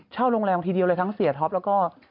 เช่าโรงแรมทิเยลเลยทั้งเสียท็อปและก็